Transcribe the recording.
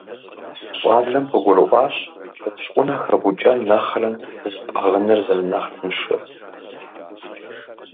ЩӀалэм къыгурыӀуащ гъущӀ Ӏунэ хэбукӀэн нэхърэ зыпӀыгъыныр зэрынэхъ тыншыр.